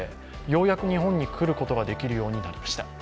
ようやく日本に来ることができるようになりました。